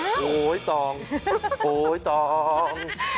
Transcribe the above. โอตองโอ้โห้ตองตอง